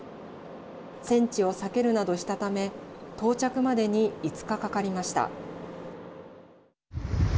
戦地を避けるなどしたため到着までに５日かかりました。